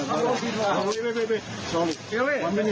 กลุ่มตัวเชียงใหม่